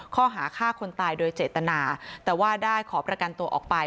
ข้อหาฆ่าคนตายโดยเจตนาแต่ว่าได้ขอประกันตัวออกไป